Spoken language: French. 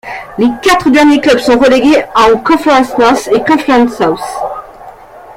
Les quatre derniers clubs sont relégués en Conference North et Conference South.